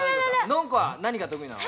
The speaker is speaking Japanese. ノン子は、何が得意なの？